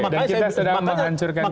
dan kita sedang menghancurkan citra